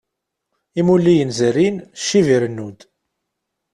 Imulliyen zerrin, ccib irennu-d.